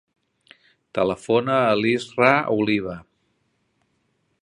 Telefona a l'Israa Oliva.